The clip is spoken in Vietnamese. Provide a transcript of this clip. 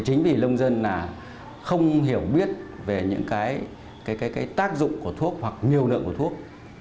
chính vì lông dân không hiểu biết về những cái tác dụng của thuốc hoặc nhiều nợ của thuốc